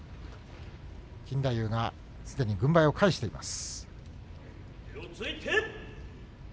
錦太夫がすでに軍配を返しています。